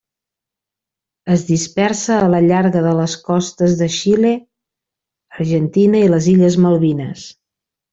Es dispersa a la llarga de les costes de Xile, Argentina i les illes Malvines.